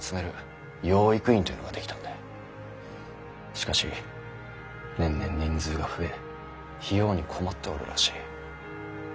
しかし年々人数が増え費用に困っておるらしい。